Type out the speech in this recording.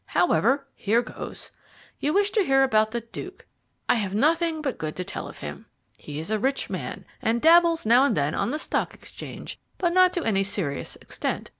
However, here goes. You wish to hear about the Duke I have nothing but good to tell of him. He is a rich man, and dabbles now and then on the Stock Exchange, but not to any serious extent.